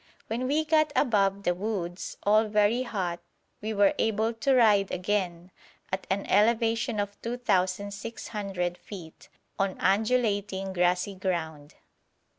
When we got above the woods, all very hot, we were able to ride again, at an elevation of 2,600 feet, on undulating, grassy ground.